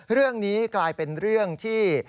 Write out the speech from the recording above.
เรื่องนี้กลายเป็นเรื่องที่